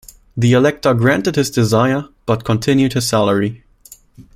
The elector granted his desire, but continued his salary.